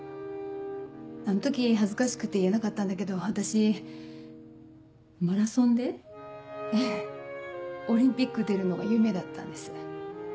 あの時恥ずかしくて言えなかったんだけど私マラソンでオリンピック出るのが夢だったんです。